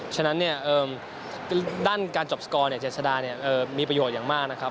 ฉะนั้นด้านการจบสกอร์เจษดามีประโยชน์อย่างมากนะครับ